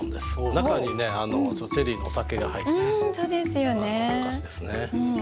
中にねチェリーのお酒が入ってるお菓子ですね。